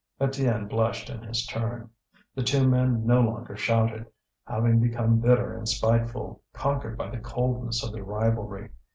Étienne blushed in his turn. The two men no longer shouted, having become bitter and spiteful, conquered by the coldness of their rivalry.